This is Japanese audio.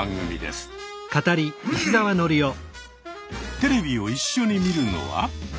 テレビを一緒に見るのは。